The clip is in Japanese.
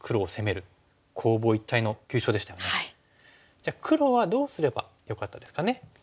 じゃあ黒はどうすればよかったですかね。